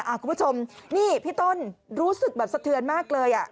คุณผู้ชมนี่พี่ต้นรู้สึกแบบสะเทือนมากเลยอ่ะ